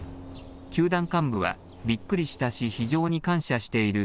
球団幹部はびっくりしたし非常に感謝している。